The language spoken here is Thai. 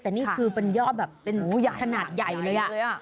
แต่นี่คือบันยอดขนาดใหญ่เลย